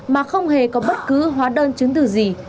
mà không hề có bất cứ hóa đơn chứng từ gì